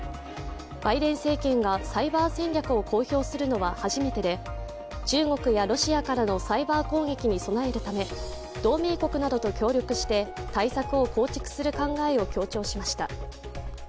バイデン政権がサイバー戦略を公表するのは初めてで中国やロシアからのサイバー攻撃に備えるため、同盟国などと協力して対策を構築する考えを強調しました。